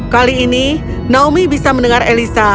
kali ini naomi bisa mendengar elisa